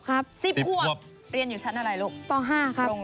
ปริสติปีเรียนอยู่ชั้นอะไรลุง